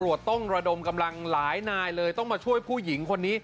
ต้องระดมกำลังหลายนายเลยต้องมาช่วยผู้หญิงคนนี้